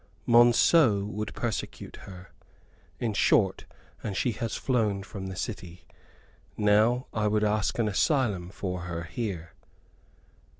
Monceux would persecute her, in short; and she has flown from the city. Now, I would ask an asylum for her here."